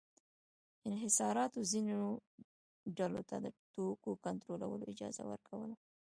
انحصاراتو ځینو ډلو ته د توکو کنټرول اجازه ورکوله.